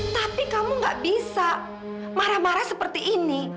tapi kamu gak bisa marah marah seperti ini